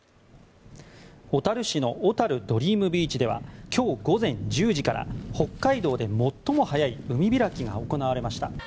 小樽市のおたるドリームビーチでは今日午前１０時から北海道で最も早い海開きが行われました。